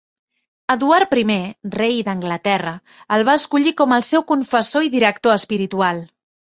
Eduard I, rei d'Anglaterra, el va escollir com al seu confessor i director espiritual.